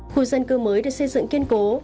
khu dân cư mới được xây dựng kiên cố